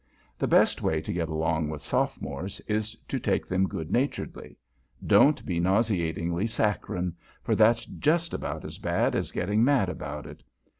The best way to get along with Sophomores is to take them good naturedly. Don't be nauseatingly saccharine, for that's just about as bad as getting mad about it.